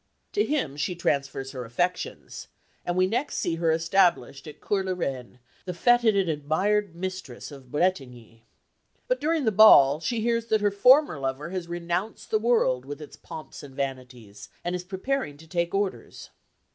To him she transfers her affections, and we next see her established at Cours la Reine, the fêted and admired mistress of Bretigny. But during the ball she hears that her former lover has renounced the world with its pomps and vanities and is preparing to take orders.